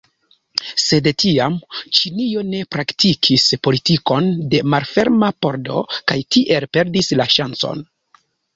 Sed tiam Ĉinio ne praktikis politikon de malferma pordo kaj tiel perdis la ŝancon.